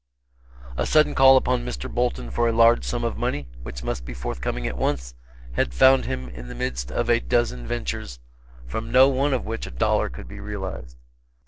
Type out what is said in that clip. A sudden call upon Mr. Bolton for a large sum of money, which must be forthcoming at once, had found him in the midst of a dozen ventures, from no one of which a dollar could be realized.